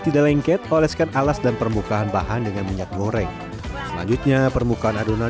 tidak lengket oleskan alas dan permukaan bahan dengan minyak goreng selanjutnya permukaan adonan